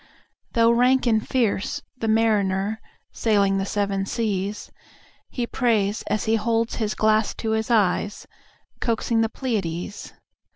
Though rank and fierce the marinerSailing the seven seas, He prays, as he holds his glass to his eyes, Coaxing the Pleiades.